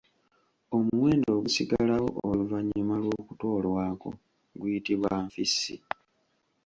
Omuwendo ogusigalawo oluvannyuma lw'okutoolwako guyitibwa nfissi.